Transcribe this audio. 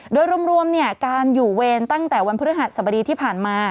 โดยรวมการอยู่เวรตั้งแต่วันพฤหัสสบดีที่ผ่านมา